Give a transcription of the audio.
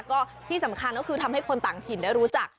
ก็ที่สำคัญก็คือทำให้คนต่างถิ่นได้รู้จัก